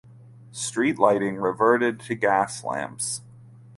Street lighting reverted to gas lamps.